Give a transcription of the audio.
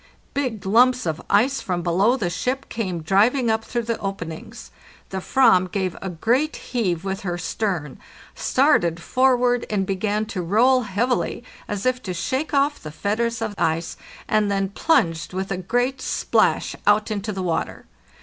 Big lumps of ice from below the ship came driving up through the openings: the /ram gave a great heave with her stern, started forward and began to roll heavily, as if to shake off the fetters of ice, and then plunged with a great splash out into the water.